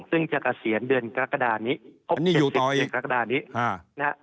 ซึ่งจะกระเศียรเดือนรักษณะนี้ครับอันนี้อยู่ต่ออีก